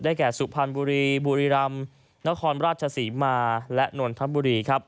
ได้แก่สุพรรณบุรีบุรีรัมนครราชศรีมาและนวลธรรมบุรี